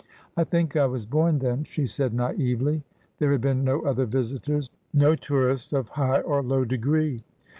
' I think I was born then,' she said naively. There had been no other visitors — no tourists of high or low degree.